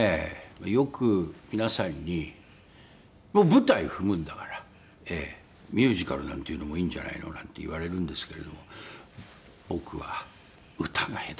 よく皆さんに「舞台踏むんだからミュージカルなんていうのもいいんじゃないの？」なんて言われるんですけれども僕は歌が下手なんです。